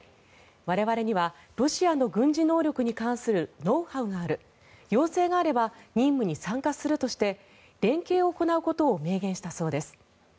我々には、ロシアの軍事能力に関するノウハウがある要請があれば任務に参加するとして連携を行うことを明言したそうです。